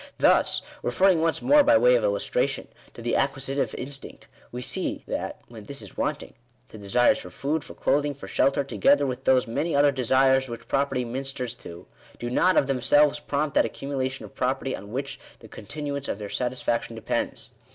Thus, referring once more by way of illustration to the acquisitive instinct, we see that, when this is wanting, the desires for food, for clothing, for shelter, together with those many other desires which property minsters to, do not of themselves prompt that accumulation of property on which the continuance of their satisfaction depends.